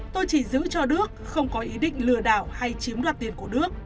tôi chỉ giữ cho đức không có ý định lừa đảo hay chiếm đoạt tiền của đức